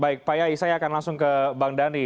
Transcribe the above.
baik pak yai saya akan langsung ke bang dhani